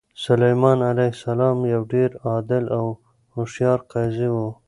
سلیمان علیه السلام یو ډېر عادل او هوښیار قاضي و.